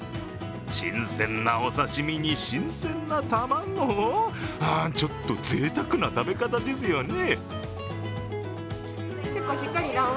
新鮮なお刺身に、新鮮な卵、ちょっとぜいたくな食べ方ですよね。